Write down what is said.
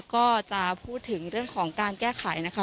ก็จะพูดถึงเรื่องของการแก้ไขนะคะ